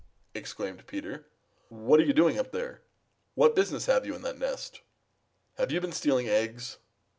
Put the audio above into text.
exclaimed Peter. "What are you doing up there? What business have you in that nest? Have you been stealing eggs?"